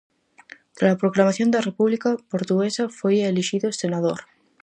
Trala proclamación da República Portuguesa foi elixido senador.